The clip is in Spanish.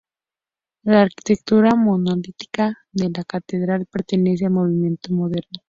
La arquitectura monolítica de la catedral pertenece al movimiento moderno.